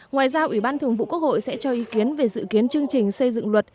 ngoài ra ủy ban thường vụ quốc hội sẽ cho ý kiến về dự kiến chương trình xây dựng luật